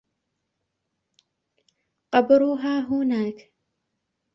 قبرها هناك.